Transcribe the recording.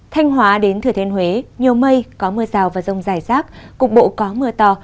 thanh hóa đến thừa thiên huế nhiều mây có mưa rào và rông dài rác cục bộ có mưa to